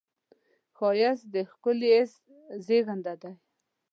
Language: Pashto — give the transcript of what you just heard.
ښایست د ښکلي حس زېږنده ده